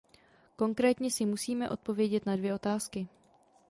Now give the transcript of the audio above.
Konkrétně si musíme odpovědět na dvě otázky.